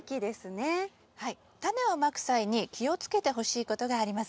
タネをまく際に気をつけてほしいことがあります。